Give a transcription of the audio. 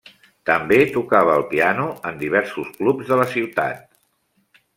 També tocava el piano en diversos clubs de la ciutat.